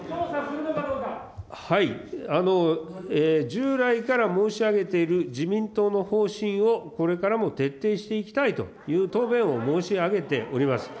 従来から申し上げている自民党の方針をこれからも徹底していきたいという答弁を申し上げております。